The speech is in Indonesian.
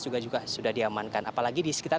juga juga sudah diamankan apalagi di sekitar